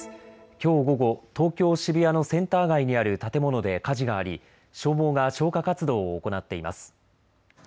きょう午後、東京渋谷のセンター街にある建物で火事があり消防が消火活動を行っています。